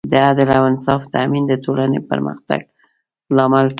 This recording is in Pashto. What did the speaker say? د عدل او انصاف تامین د ټولنې پرمختګ لامل کېږي.